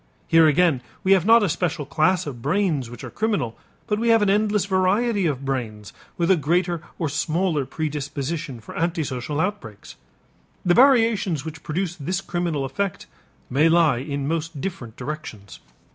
Here again we have not a special class of brains which are criminal; but we have an endless variety of brains with a greater or smaller predisposition for antisocial outbreaks. The variations which produce this criminal effect may lie in most different directions.